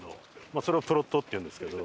まあそれを「プロット」っていうんですけど。